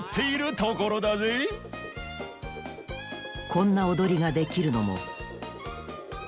こんなおどりができるのも２４